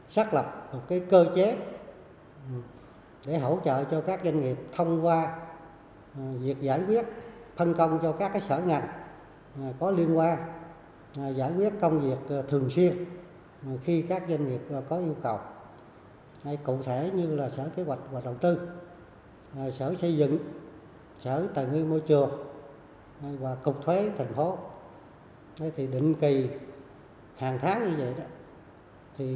sở tài nguyên môi trường và cục thuế thành phố định kỳ hàng tháng như vậy